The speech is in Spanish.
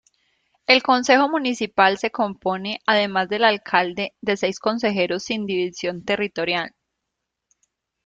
El consejo municipal se compone, además del alcalde, de seis consejeros sin división territorial.